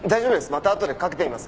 またあとでかけてみます。